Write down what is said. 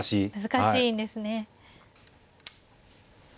難しいんですね。